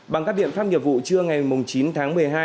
bằng các biện pháp nghiệp vụ trưa ngày chín tháng một mươi hai